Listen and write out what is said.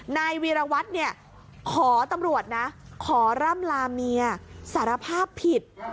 นายวีรวัตรเนี่ยขอตำรวจนะขอร่ำลาเมียสารภาพผิด